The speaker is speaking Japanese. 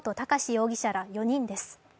容疑者ら４人です。